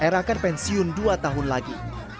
r akan pensiun dua tahun lagi